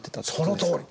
そのとおり！